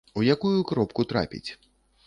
У якую кропку трапіць.